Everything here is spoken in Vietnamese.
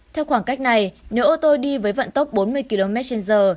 theo khoảng cách này nếu ô tô đi với vận tốc bốn mươi km trên giờ